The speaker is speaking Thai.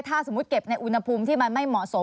ถ้าสมมุติเก็บในอุณหภูมิที่มันไม่เหมาะสม